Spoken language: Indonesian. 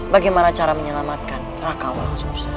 bagaimana cara menyelamatkan raka walang sungsam